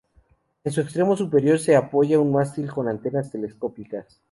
En su extremo superior se apoya un mástil con antenas telescópicas.